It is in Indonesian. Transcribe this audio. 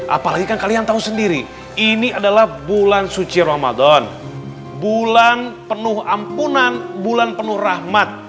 apalagi kan kalian tahu sendiri ini adalah bulan suci ramadan bulan penuh ampunan bulan penuh rahmat